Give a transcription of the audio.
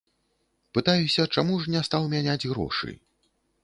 Пытаюся, чаму ж не стаў мяняць грошы.